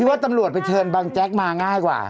ว่าตำรวจไปเชิญบังแจ๊กมาง่ายกว่า